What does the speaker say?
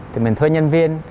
thì mình thuê nhân viên